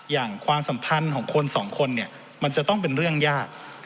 อย่างความสัมพันธ์ของคนสองคนมันจะต้องเป็นเรื่องยาก